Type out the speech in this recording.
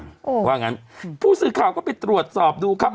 เพราะฉะนั้นผู้สื่อข่าวก็ไปตรวจสอบดูครับ